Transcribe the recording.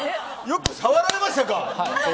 よく触られましたか。